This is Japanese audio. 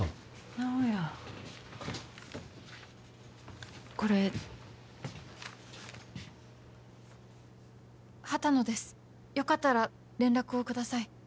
直哉これ「畑野です良かったら連絡をください」